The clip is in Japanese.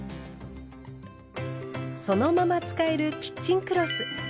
そのまま使えるキッチンクロス。